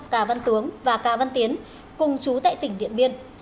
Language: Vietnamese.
cà văn tướng và cà văn tiến cùng chú tại tỉnh điện biên